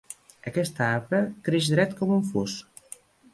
Aquest arbre creix dret com un fus.